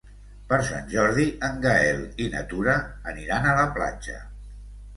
Per Sant Jordi en Gaël i na Tura aniran a la platja.